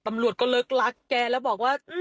ตำรวจก็บุกแอดกแกแล้วบอกว่า